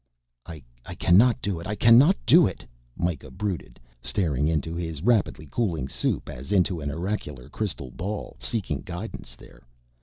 "I cannot do it ... I cannot do it," Mikah brooded, staring into his rapidly cooling soup as into an oracular crystal ball, seeking guidance there.